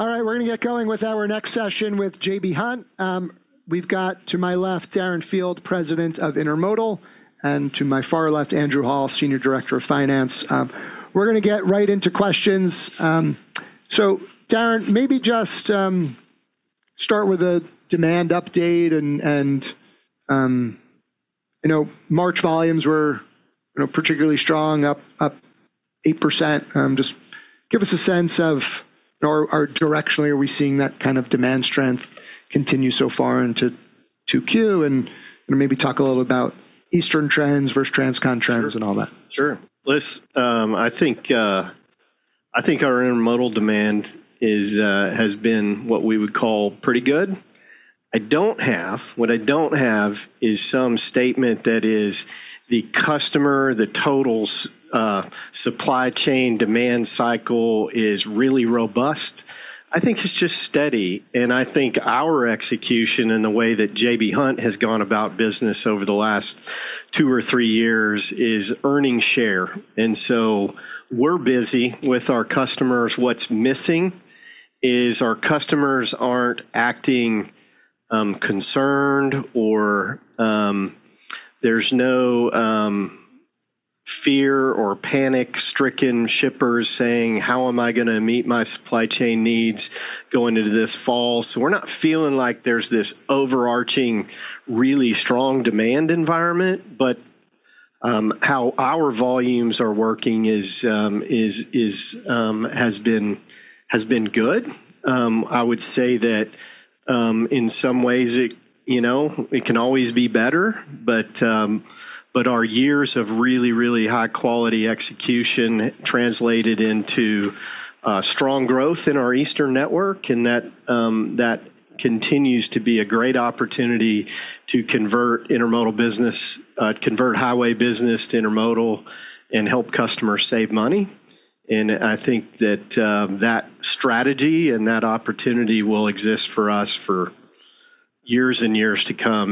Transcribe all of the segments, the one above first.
All right, we're gonna get going with our next session with J.B. Hunt. We've got to my left, Darren Field, President of Intermodal, and to my far left, Andrew Hall, Senior Director of Finance. We're gonna get right into questions. So Darren, maybe just, start with a demand update and, you know, March volumes were, you know, particularly strong, up 8%. Just give us a sense of or directionally, are we seeing that kind of demand strength continue so far into 2Q and, you know, maybe talk a little about Eastern trends versus transcon trends and all that? Sure. Listen, I think our intermodal demand has been what we would call pretty good. What I don't have is some statement the total supply chain demand cycle is really robust. I think it's just steady, I think our execution and the way that J.B. Hunt has gone about business over the last two or three years is earning share. We're busy with our customers. What's missing is our customers aren't acting, concerned or there's no fear or panic-stricken shippers saying, "How am I gonna meet my supply chain needs going into this fall?" We're not feeling like there's this overarching really strong demand environment, but how our volumes are working has been good. I would say that, in some ways it, you know, it can always be better. Our years of really, really high quality execution translated into strong growth in our Eastern network, and that continues to be a great opportunity to convert intermodal business, convert highway business to intermodal and help customers save money. I think that strategy and that opportunity will exist for us for years and years to come.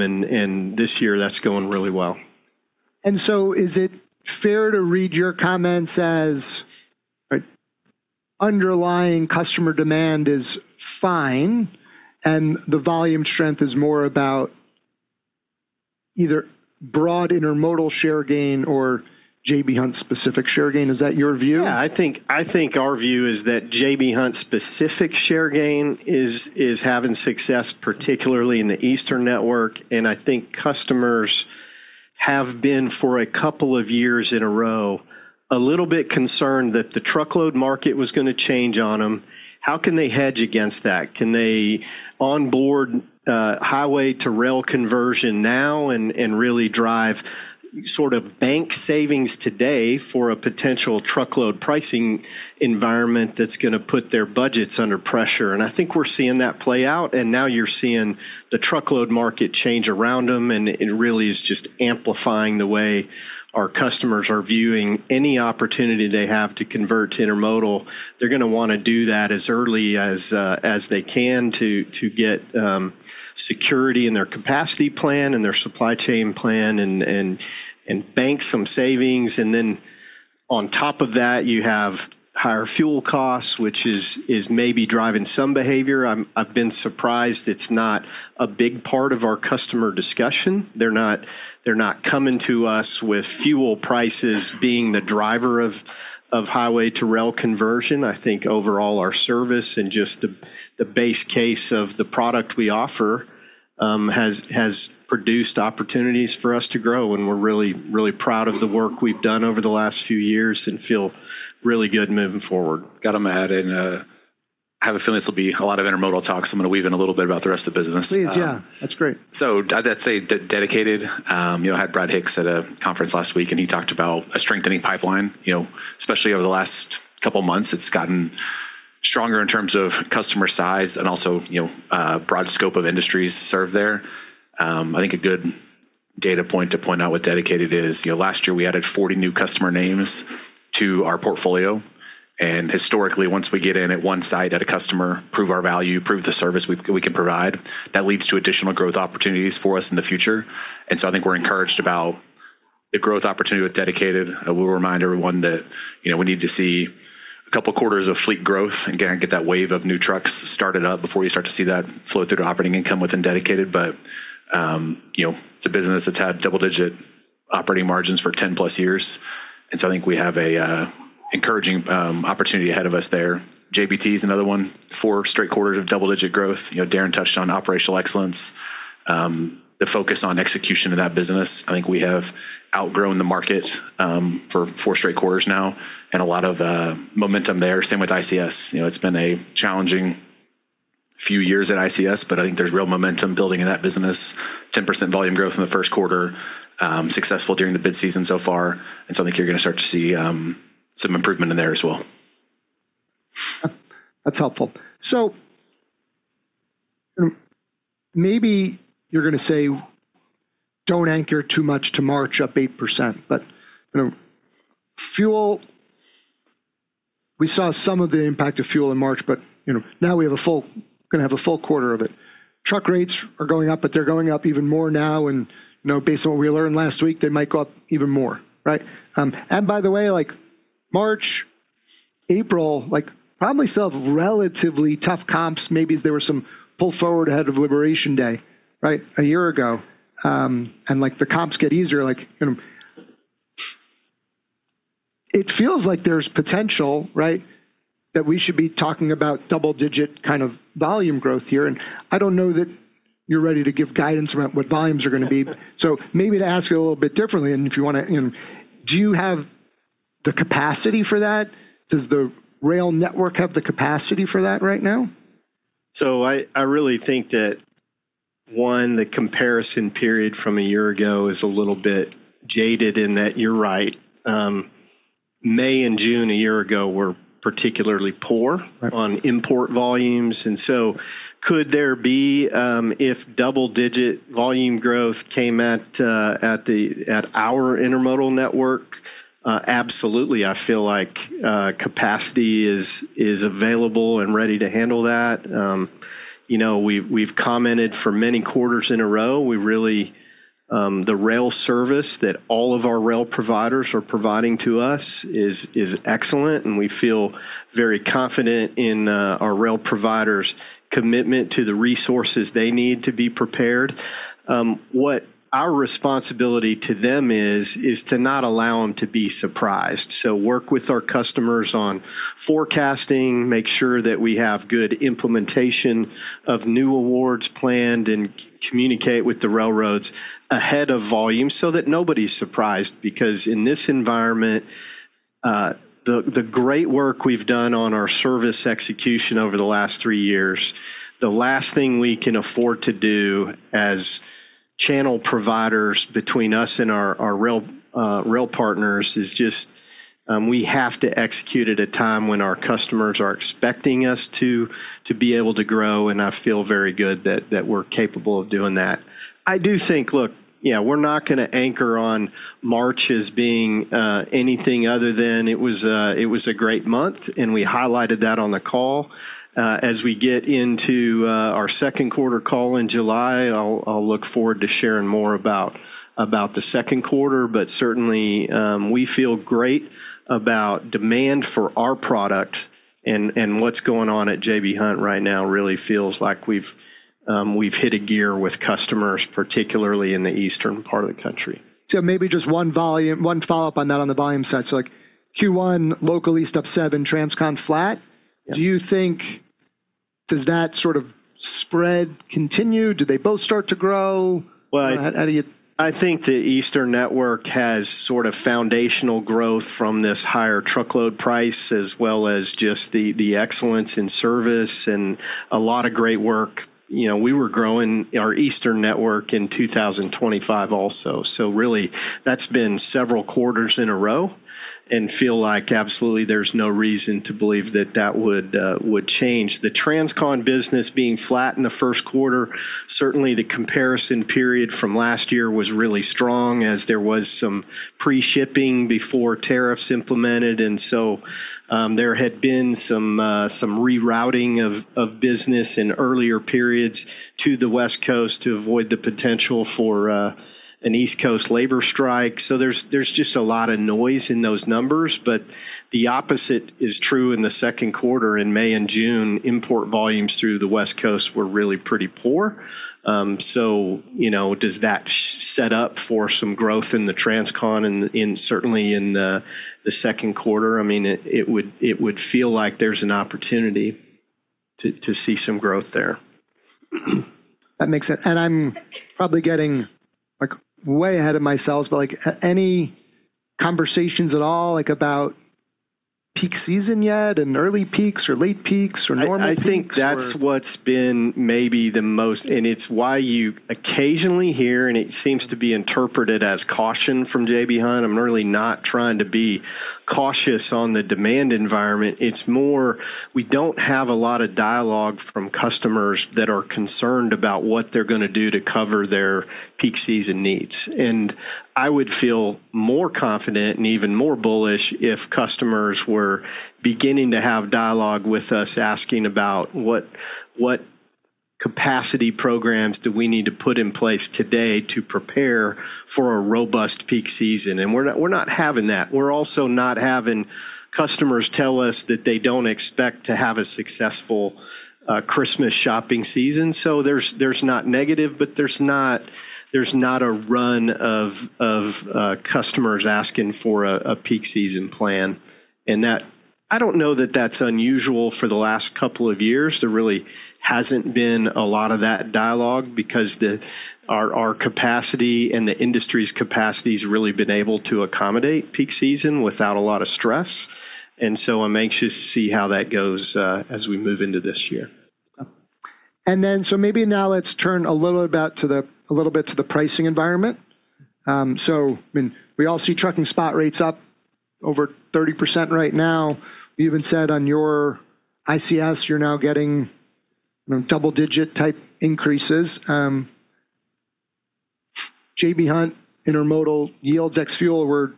This year that's going really well. Is it fair to read your comments as underlying customer demand is fine and the volume strength is more about either broad intermodal share gain or J.B. Hunt specific share gain? Is that your view? Yeah, I think our view is that J.B. Hunt specific share gain is having success, particularly in the Eastern network. I think customers have been, for a couple of years in a row, a little bit concerned that the truckload market was gonna change on them. How can they hedge against that? Can they onboard highway to rail conversion now and really drive sort of bank savings today for a potential truckload pricing environment that's gonna put their budgets under pressure? I think we're seeing that play out, and now you're seeing the truckload market change around them, and it really is just amplifying the way our customers are viewing any opportunity they have to convert to intermodal. They're gonna wanna do that as early as they can to get security in their capacity plan and their supply chain plan and bank some savings. Then on top of that, you have higher fuel costs, which is maybe driving some behavior. I've been surprised it's not a big part of our customer discussion. They're not coming to us with fuel prices being the driver of highway to rail conversion. I think overall our service and just the base case of the product we offer has produced opportunities for us to grow, and we're really proud of the work we've done over the last few years and feel really good moving forward. Got them to add in, I have a feeling this will be a lot of intermodal talks. I'm gonna weave in a little bit about the rest of the business. Please, yeah. That's great. I'd say that Dedicated, you know, had Brad Hicks at a conference last week, and he talked about a strengthening pipeline. You know, especially over the last couple of months, it's gotten stronger in terms of customer size and also, you know, broad scope of industries served there. I think a good data point to point out what Dedicated is, you know, last year we added 40 new customer names to our portfolio. Historically, once we get in at one site at a customer, prove our value, prove the service we can provide, that leads to additional growth opportunities for us in the future. I think we're encouraged about the growth opportunity with Dedicated. I will remind everyone that, you know, we need to see a couple quarters of fleet growth. Again, get that wave of new trucks started up before you start to see that flow through to operating income within Dedicated. You know, it's a business that's had double-digit operating margins for 10+ years. I think we have a encouraging opportunity ahead of us there. JBT is another one. four straight quarters of double-digit growth. You know, Darren touched on operational excellence, the focus on execution of that business. I think we have outgrown the market for four straight quarters now and a lot of momentum there. Same with ICS. You know, it's been a challenging few years at ICS, but I think there's real momentum building in that business. 10% volume growth in the Q1, successful during the bid season so far, I think you're gonna start to see some improvement in there as well. That's helpful. Maybe you're gonna say don't anchor too much to March up 8%, but, you know, fuel, we saw some of the impact of fuel in March, but, you know, now we have a full quarter of it. Truck rates are going up, but they're going up even more now and, you know, based on what we learned last week, they might go up even more, right? By the way, like Marcha April, like probably still have relatively tough comps, maybe there was some pull forward ahead of Liberation Day, right, a year ago. Like the comps get easier, like, you know. It feels like there's potential, right? That we should be talking about double-digit kind of volume growth here, and I don't know that you're ready to give guidance around what volumes are gonna be. Maybe to ask it a little bit differently and if you wanna, you know, do you have the capacity for that? Does the rail network have the capacity for that right now? I really think that, one, the comparison period from a year ago is a little bit jaded in that you're right. May and June a year ago were particularly poor. Right, on import volumes, could there be, if double digit volume growth came at the, at our Intermodal network? Absolutely. I feel like capacity is available and ready to handle that. You know, we've commented for many quarters in a row, we really, the rail service that all of our rail providers are providing to us is excellent, and we feel very confident in our rail providers' commitment to the resources they need to be prepared. What our responsibility to them is to not allow them to be surprised. Work with our customers on forecasting, make sure that we have good implementation of new awards planned, and communicate with the railroads ahead of volume so that nobody's surprised. In this environment, the great work we've done on our service execution over the last three years, the last thing we can afford to do as channel providers between us and our rail partners is we have to execute at a time when our customers are expecting us to be able to grow, and I feel very good that we're capable of doing that. I do think, look, yeah, we're not gonna anchor on March as being anything other than it was a great month. We highlighted that on the call. As we get into our Q2 call in July, I'll look forward to sharing more about the Q2. Certainly, we feel great about demand for our product and what's going on at J.B. Hunt right now really feels like we've hit a gear with customers, particularly in the eastern part of the country. Maybe just one follow-up on that on the volume side. Like Q1 local East up 7, transcon flat. Yeah. Do you think does that sort of spread continue? Do they both start to grow? Well, How do you, I think the Eastern network has sort of foundational growth from this higher truckload price, as well as just the excellence in service and a lot of great work. You know, we were growing our Eastern network in 2025 also. Really that's been several quarters in a row and feel like absolutely there's no reason to believe that that would change. The transcon business being flat in the Q1, certainly the comparison period from last year was really strong as there was some pre-shipping before tariffs implemented. There had been some rerouting of business in earlier periods to the West Coast to avoid the potential for an East Coast labor strike. There's just a lot of noise in those numbers. The opposite is true in the Q2. In May and June, import volumes through the West Coast were really pretty poor. You know, does that set up for some growth in the transcon in certainly in the Q2? I mean, it would feel like there's an opportunity to see some growth there. That makes sense. I'm probably getting like way ahead of myself, but like any conversations at all, like, about peak season yet and early peaks or late peaks or normal peaks? I think that's what's been maybe the most, and it's why you occasionally hear, and it seems to be interpreted as caution from J.B. Hunt. I'm really not trying to be cautious on the demand environment. It's more we don't have a lot of dialogue from customers that are concerned about what they're gonna do to cover their peak season needs. I would feel more confident and even more bullish if customers were beginning to have dialogue with us, asking about what capacity programs do we need to put in place today to prepare for a robust peak season. We're not having that. We're also not having customers tell us that they don't expect to have a successful Christmas shopping season. There's not negative, but there's not a run of customers asking for a peak season plan. I don't know that that's unusual for the last two years. There really hasn't been a lot of that dialogue because our capacity and the industry's capacity's really been able to accommodate peak season without a lot of stress. I'm anxious to see how that goes as we move into this year. Maybe now let's turn a little bit to the pricing environment. I mean, we all see trucking spot rates up over 30% right now. You even said on your ICS, you're now getting, you know, double-digit type increases. J.B. Hunt Intermodal yields ex fuel were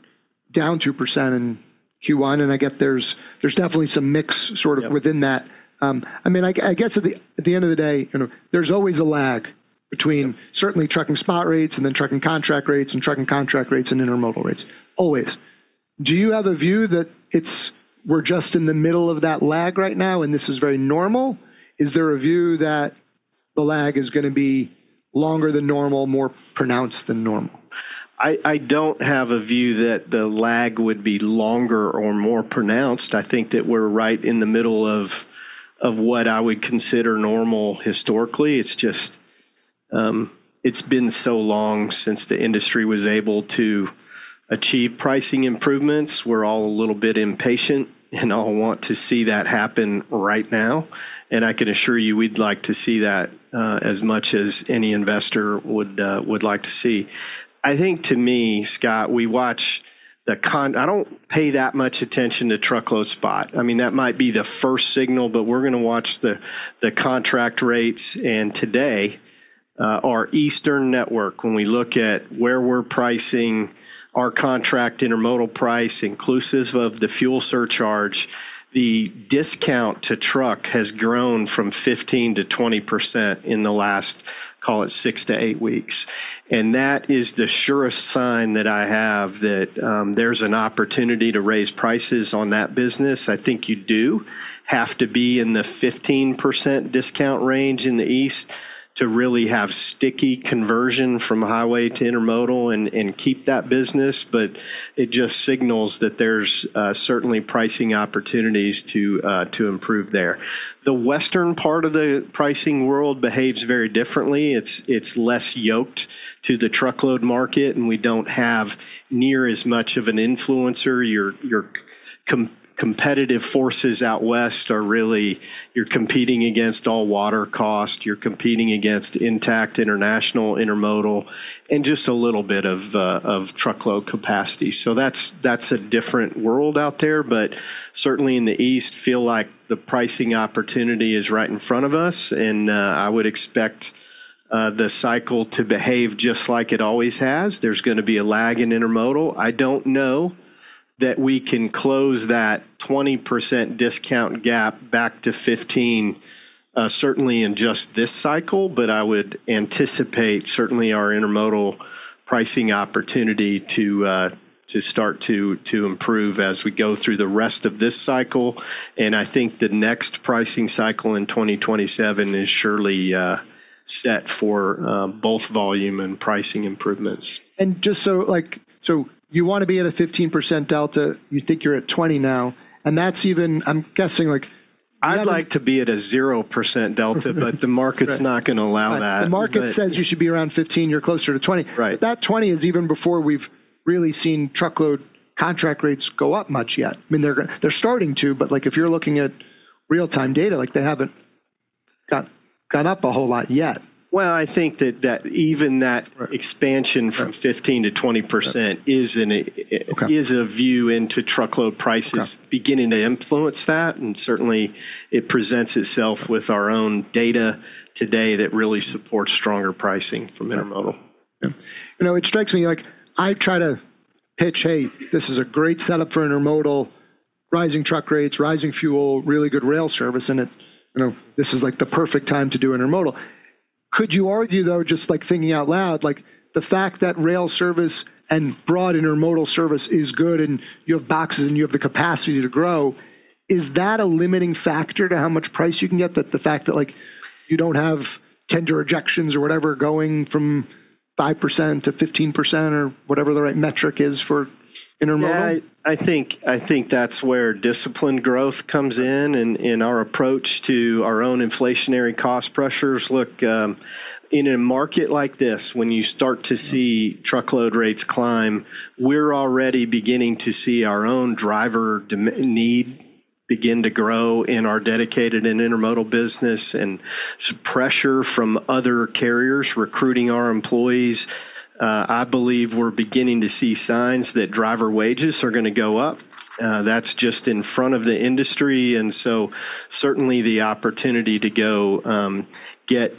down 2% in Q1, and I get there's definitely some mix sort of within that. I mean, I guess at the end of the day, you know, there's always a lag between certainly trucking spot rates and then trucking contract rates and trucking contract rates and intermodal rates. Always. Do you have a view that it's, we're just in the middle of that lag right now, and this is very normal? Is there a view that the lag is gonna be longer than normal, more pronounced than normal? I don't have a view that the lag would be longer or more pronounced. I think that we're right in the middle of what I would consider normal historically. It's just, it's been so long since the industry was able to achieve pricing improvements. We're all a little bit impatient and all want to see that happen right now. I can assure you we'd like to see that as much as any investor would like to see. I think to me, Scott, I don't pay that much attention to truckload spot. I mean, that might be the first signal, but we're gonna watch the contract rates. Today, our Eastern network, when we look at where we're pricing our contract Intermodal price inclusive of the fuel surcharge, the discount to truck has grown from 15%-20% in the last, call it six to eight weeks. That is the surest sign that I have that there's an opportunity to raise prices on that business. I think you do have to be in the 15% discount range in the East to really have sticky conversion from highway to Intermodal and keep that business. It just signals that there's certainly pricing opportunities to improve there. The Western part of the pricing world behaves very differently. It's less yoked to the Truckload market, and we don't have near as much of an influencer. Your competitive forces out west are really you're competing against all water cost, you're competing against intact international intermodal, and just a little bit of truckload capacity. That's a different world out there. Certainly in the east, feel like the pricing opportunity is right in front of us, and I would expect the cycle to behave just like it always has. There's gonna be a lag in intermodal. I don't know that we can close that 20% discount gap back to 15, certainly in just this cycle. I would anticipate certainly our intermodal pricing opportunity to start to improve as we go through the rest of this cycle. I think the next pricing cycle in 2027 is surely set for both volume and pricing improvements. You wanna be at a 15% delta. You think you're at 20 now. I'd like to be at a 0% delta, but the market's not gonna allow that. The market says you should be around 15. You're closer to 20. Right. That 20 is even before we've really seen truckload contract rates go up much yet. I mean, they're starting to, but like if you're looking at real-time data, like they haven't gone up a whole lot yet. Well, I think that even that expansion from 15%-20% is an Okay. Is a view into truckload prices beginning to influence that, and certainly it presents itself with our own data today that really supports stronger pricing from intermodal. Yeah. You know, it strikes me like I try to pitch, "Hey, this is a great setup for intermodal. Rising truck rates, rising fuel, really good rail service, and it, you know, this is like the perfect time to do intermodal." Could you argue, though, just like thinking out loud, like the fact that rail service and broad intermodal service is good and you have boxes and you have the capacity to grow, is that a limiting factor to how much price you can get? That the fact that like you don't have tender rejections or whatever going from 5%-15% or whatever the right metric is for intermodal? I think that's where disciplined growth comes in and our approach to our own inflationary cost pressures. Look, in a market like this, when you start to see truckload rates climb, we're already beginning to see our own driver need begin to grow in our dedicated and intermodal business and pressure from other carriers recruiting our employees. I believe we're beginning to see signs that driver wages are gonna go up. That's just in front of the industry, certainly the opportunity to go get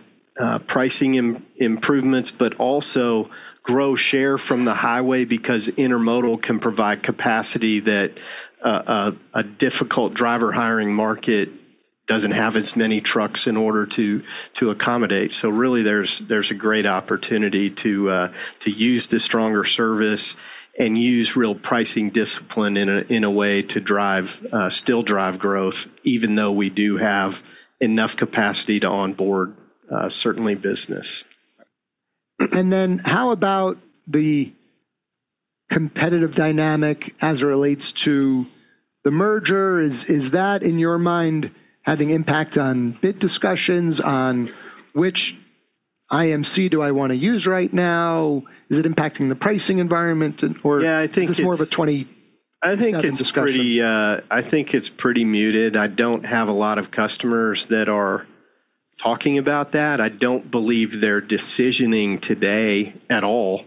pricing improvements but also grow share from the highway because intermodal can provide capacity that a difficult driver hiring market doesn't have as many trucks in order to accommodate. Really, there's a great opportunity to use this stronger service and use real pricing discipline in a way to drive still drive growth, even though we do have enough capacity to onboard certainly business. How about the competitive dynamic as it relates to the merger? Is that in your mind having impact on bid discussions, on which IMC do I wanna use right now? Is it impacting the pricing environment or? Yeah, I think. is this more of a 2020 discussion? I think it's pretty muted. I don't have a lot of customers that are talking about that. I don't believe they're decisioning today at all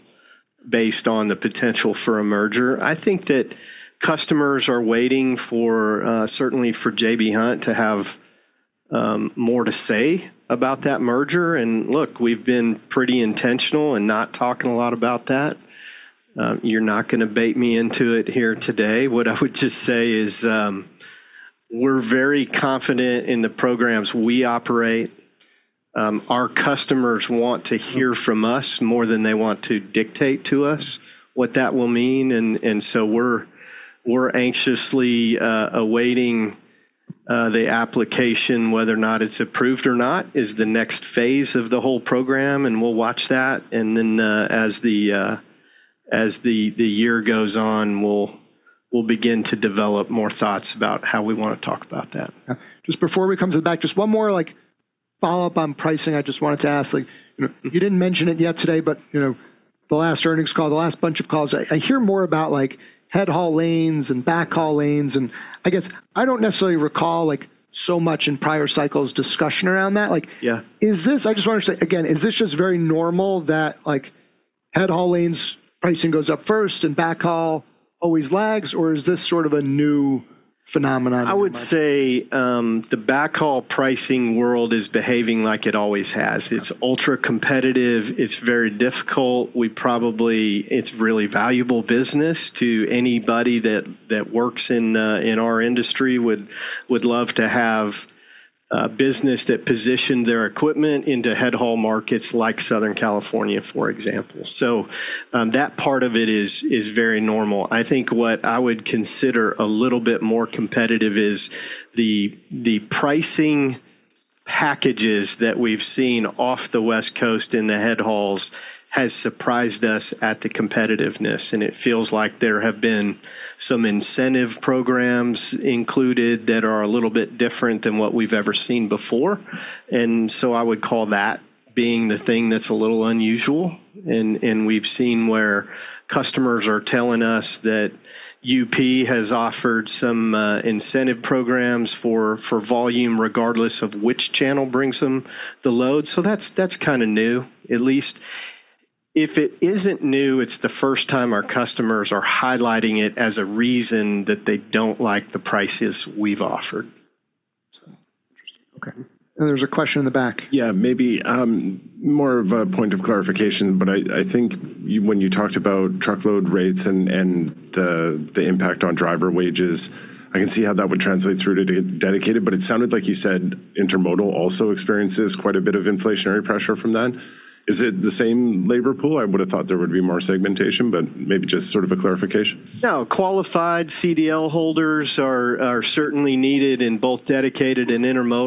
based on the potential for a merger. I think that customers are waiting for certainly for J.B. Hunt to have more to say about that merger. Look, we've been pretty intentional in not talking a lot about that. You're not gonna bait me into it here today. What I would just say is. We're very confident in the programs we operate. Our customers want to hear from us more than they want to dictate to us what that will mean. We're anxiously awaiting the application, whether or not it's approved or not, is the next phase of the whole program, and we'll watch that. As the year goes on, we'll begin to develop more thoughts about how we wanna talk about that. Yeah. Just before we come to the back, just one more, like, follow-up on pricing. I just wanted to ask, like, you know, you didn't mention it yet today, but, you know, the last earnings call, the last bunch of calls, I hear more about, like, head haul lanes and back haul lanes, and I guess I don't necessarily recall, like, so much in prior cycles discussion around that. Yeah. I just wanna say again, is this just very normal that, like, head haul lanes pricing goes up first and back haul always lags, or is this sort of a new phenomenon? I would say the back haul pricing world is behaving like it always has. It's ultra-competitive. It's very difficult. It's really valuable business to anybody that works in our industry would love to have business that positioned their equipment into head haul markets like Southern California, for example. That part of it is very normal. I think what I would consider a little bit more competitive is the pricing packages that we've seen off the West Coast in the head hauls has surprised us at the competitiveness, and it feels like there have been some incentive programs included that are a little bit different than what we've ever seen before. I would call that being the thing that's a little unusual. We've seen where customers are telling us that UP has offered some incentive programs for volume, regardless of which channel brings them the load. That's kinda new. At least if it isn't new, it's the first time our customers are highlighting it as a reason that they don't like the prices we've offered. Interesting. Okay. There's a question in the back. Yeah. Maybe, more of a point of clarification, but I think when you talked about truckload rates and the impact on driver wages, I can see how that would translate through to Dedicated, but it sounded like you said intermodal also experiences quite a bit of inflationary pressure from that. Is it the same labor pool? I would have thought there would be more segmentation, but maybe just sort of a clarification. No. Qualified CDL holders are certainly needed in both dedicated and intermodal.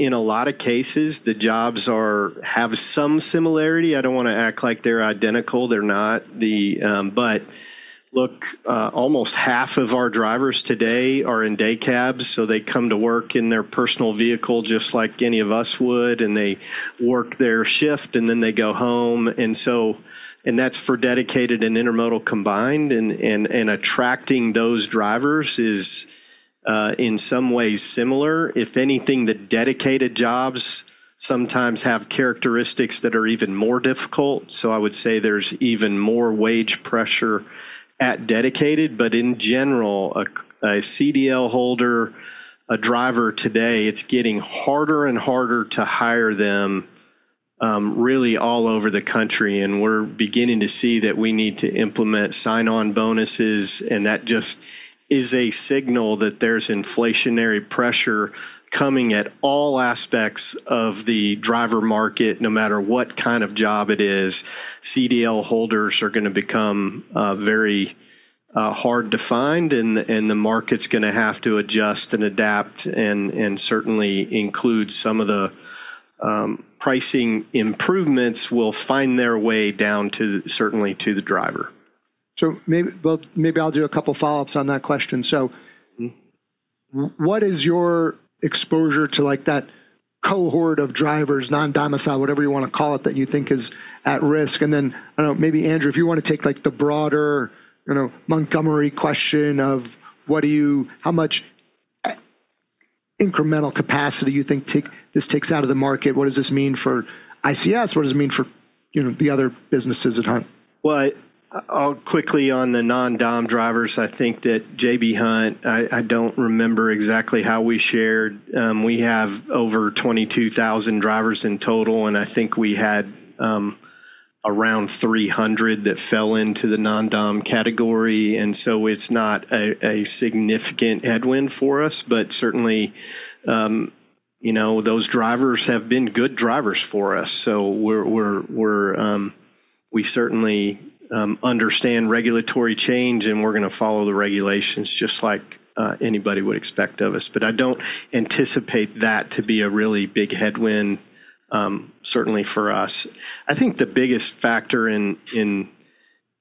In a lot of cases, the jobs have some similarity. I don't wanna act like they're identical. They're not. Look, almost half of our drivers today are in day cabs, so they come to work in their personal vehicle just like any of us would, and they work their shift, and then they go home. That's for dedicated and intermodal combined. Attracting those drivers is in some ways similar. If anything, the dedicated jobs sometimes have characteristics that are even more difficult, so I would say there's even more wage pressure at dedicated. In general, a CDL holder, a driver today, it's getting harder and harder to hire them, really all over the country, and we're beginning to see that we need to implement sign-on bonuses, and that just is a signal that there's inflationary pressure coming at all aspects of the driver market. No matter what kind of job it is, CDL holders are gonna become very hard to find and the market's gonna have to adjust and adapt and certainly include some of the pricing improvements will find their way down to certainly to the driver. Well, maybe I'll do a couple follow-ups on that question. What is your exposure to, like, that cohort of drivers, non-domiciled, whatever you wanna call it, that you think is at risk? Then, I don't know, maybe Andrew, if you wanna take, like, the broader, you know, Montgomery question of how much incremental capacity you think this takes out of the market? What does this mean for ICS? What does it mean for, you know, the other businesses at Hunt? Well, I'll quickly on the non-domiciled drivers. I think that J.B. Hunt, I don't remember exactly how we shared. We have over 22,000 drivers in total, and I think we had around 300 that fell into the non-domiciled category. It's not a significant headwind for us. Certainly, you know, those drivers have been good drivers for us. We're, we certainly understand regulatory change, and we're gonna follow the regulations just like anybody would expect of us. I don't anticipate that to be a really big headwind, certainly for us. I think the biggest factor in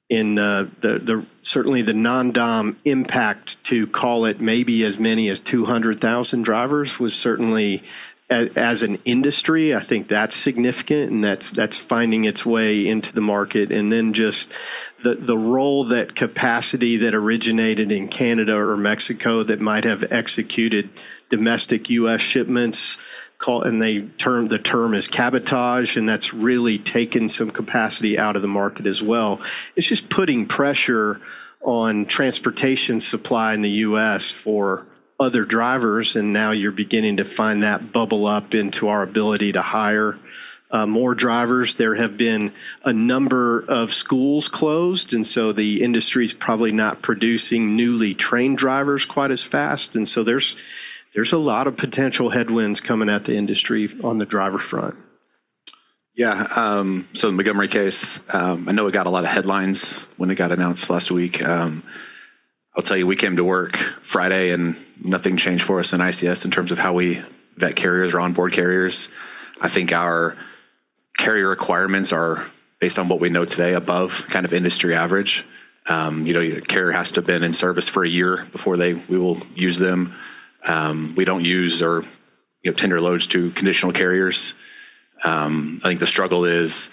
the, certainly the non-domiciled impact to call it maybe as many as 200,000 drivers was certainly as an industry. I think that's significant, and that's finding its way into the market. The role that capacity that originated in Canada or Mexico that might have executed domestic U.S. shipments, the term is cabotage, that's really taken some capacity out of the market as well. It's just putting pressure on transportation supply in the U.S. for other drivers, and now you're beginning to find that bubble up into our ability to hire more drivers. There have been a number of schools closed, the industry's probably not producing newly trained drivers quite as fast. There's a lot of potential headwinds coming at the industry on the driver front. The Montgomery, I know it got a lot of headlines when it got announced last week. I'll tell you, we came to work Friday, and nothing changed for us in ICS in terms of how we vet carriers or onboard carriers. I think our carrier requirements are based on what we know today above kind of industry average. You know, your carrier has to have been in service for one year before we will use them. We don't use or, you know, tender loads to conditional carriers. I think the struggle is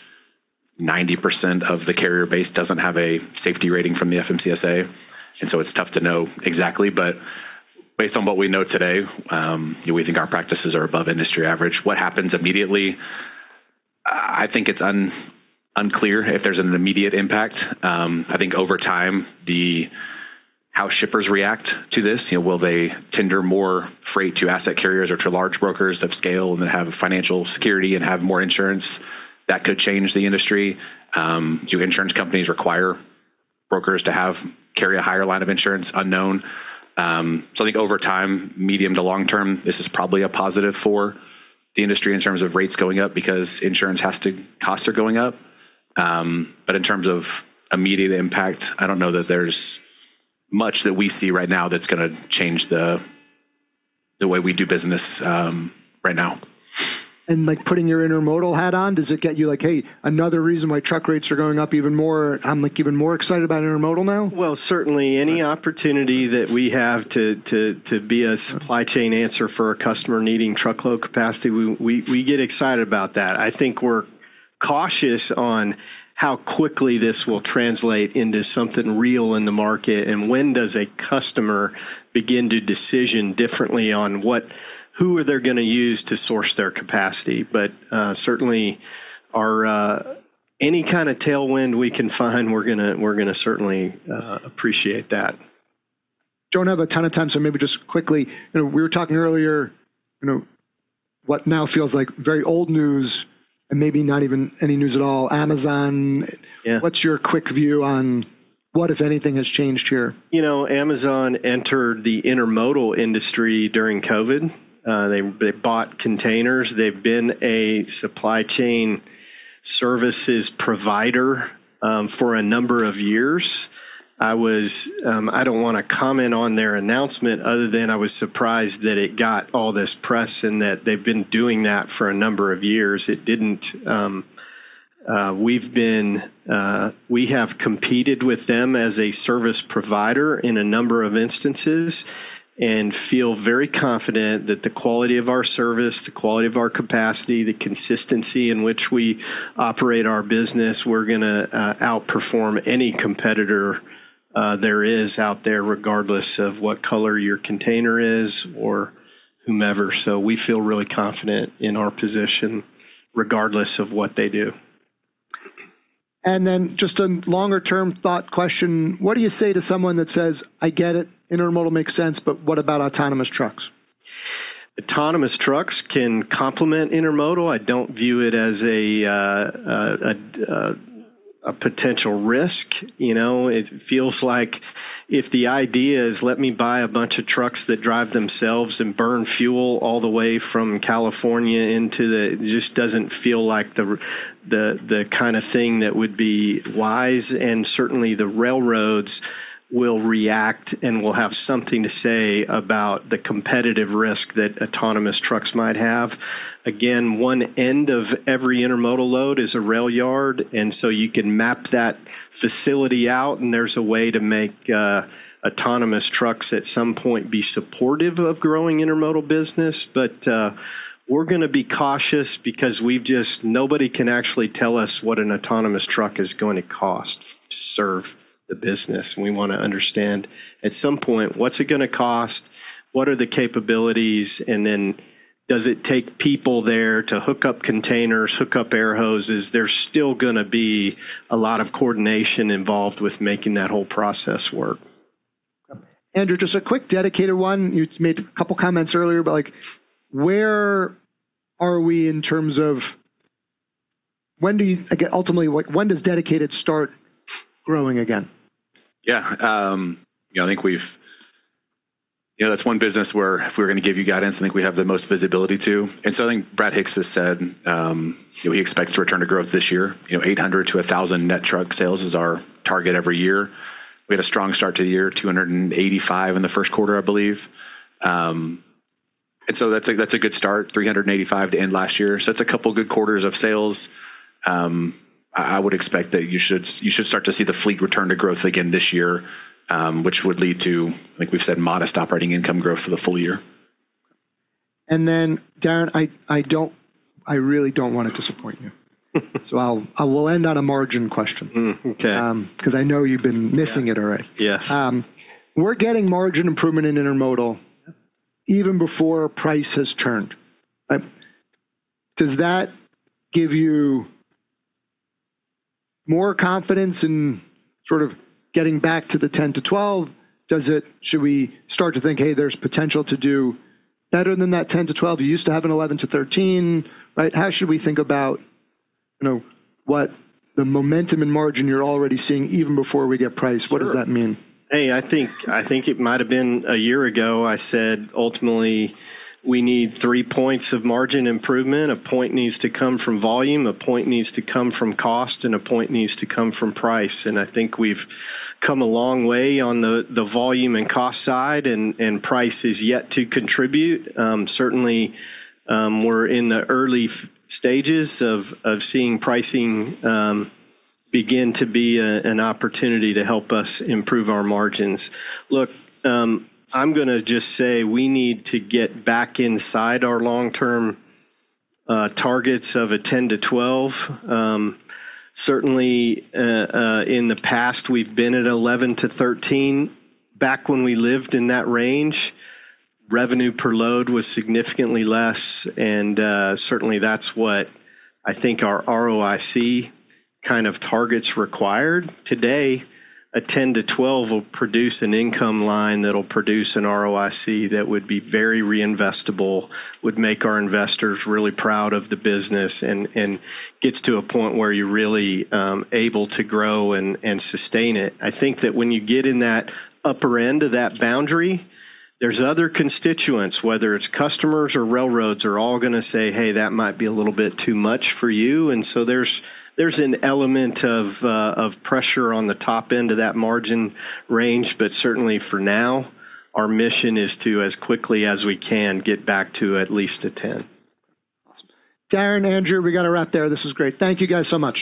90% of the carrier base doesn't have a safety rating from the FMCSA, it's tough to know exactly. Based on what we know today, we think our practices are above industry average. What happens immediately, I think it's unclear if there's an immediate impact. I think over time, how shippers react to this, you know, will they tender more freight to asset carriers or to large brokers of scale and have financial security and have more insurance? That could change the industry. Do insurance companies require brokers to carry a higher line of insurance? Unknown. I think over time, medium to long term, this is probably a positive for the industry in terms of rates going up because insurance costs are going up. In terms of immediate impact, I don't know that there's much that we see right now that's gonna change the way we do business right now. like, putting your intermodal hat on, does it get you like, "Hey, another reason why truck rates are going up even more. I'm, like, even more excited about intermodal now"? Well, certainly any opportunity that we have to be a supply chain answer for a customer needing truckload capacity, we get excited about that. I think we're cautious on how quickly this will translate into something real in the market and when does a customer begin to decision differently on who are they gonna use to source their capacity. Certainly, any kinda tailwind we can find, we're gonna certainly appreciate that. Don't have a ton of time. Maybe just quickly. You know, we were talking earlier, you know, what now feels like very old news and maybe not even any news at all. Amazon. Yeah. What's your quick view on what, if anything, has changed here? You know, Amazon entered the intermodal industry during COVID. They bought containers. They've been a supply chain services provider for a number of years. I don't want to comment on their announcement other than I was surprised that it got all this press and that they've been doing that for a number of years. We've been, we have competed with them as a service provider in a number of instances and feel very confident that the quality of our service, the quality of our capacity, the consistency in which we operate our business, we're gonna outperform any competitor there is out there, regardless of what color your container is or whomever. We feel really confident in our position regardless of what they do. Just a longer-term thought question. What do you say to someone that says, "I get it, intermodal makes sense, but what about autonomous trucks? Autonomous trucks can complement intermodal. I don't view it as a potential risk. You know, it feels like if the idea is let me buy a bunch of trucks that drive themselves and burn fuel all the way from California. It just doesn't feel like the kind of thing that would be wise, and certainly the railroads will react and will have something to say about the competitive risk that autonomous trucks might have. Again, one end of every intermodal load is a rail yard, and so you can map that facility out, and there's a way to make autonomous trucks at some point be supportive of growing intermodal business. We're gonna be cautious because we've just nobody can actually tell us what an autonomous truck is going to cost to serve the business. We wanna understand at some point, what's it gonna cost? What are the capabilities? Then does it take people there to hook up containers, hook up air hoses? There's still gonna be a lot of coordination involved with making that whole process work. Andrew, just a quick Dedicated one. You made a couple comments earlier about, like, where are we in terms of ultimately, like, when does Dedicated start growing again? Yeah. You know, I think you know, that's one business where if we were gonna give you guidance, I think we have the most visibility to. I think Brad Hicks has said, you know, he expects to return to growth this year. You know, 800 to 1,000 net truck sales is our target every year. We had a strong start to the year, 285 in the Q1, I believe. That's a good start. 385 to end last year. That's a couple good quarters of sales. I would expect that you should start to see the fleet return to growth again this year, which would lead to, like we've said, modest operating income growth for the full year. Darren, I don't, I really don't wanna disappoint you. I will end on a margin question. Okay. Cause I know you've been missing it already. Yes. We're getting margin improvement in intermodal even before price has turned. Right? Does that give you more confidence in sort of getting back to the 10%-12%? Should we start to think, "Hey, there's potential to do better than that 10%-12%?" You used to have an 11%-13%, right? How should we think about, you know, what the momentum in margin you're already seeing even before we get price? What does that mean? I think it might have been a year ago, I said, "Ultimately, we need 3 points of margin improvement. A point needs to come from volume, a point needs to come from cost, and a point needs to come from price." I think we've come a long way on the volume and cost side, and price is yet to contribute. Certainly, we're in the early stages of seeing pricing begin to be an opportunity to help us improve our margins. Look, I'm going to just say we need to get back inside our long-term targets of 10%-12%. Certainly, in the past, we've been at 11%-13%. Back when we lived in that range, revenue per load was significantly less. Certainly that's what I think our ROIC kind of targets required. Today, a 10%-12% will produce an income line that'll produce an ROIC that would be very re-investable, would make our investors really proud of the business and gets to a point where you're really able to grow and sustain it. I think that when you get in that upper end of that boundary, there's other constituents, whether it's customers or railroads, are all gonna say, "Hey, that might be a little bit too much for you." There's an element of pressure on the top end of that margin range. Certainly for now, our mission is to, as quickly as we can, get back to at least 10%. Awesome. Darren, Andrew, we gotta wrap there. This was great. Thank you guys so much.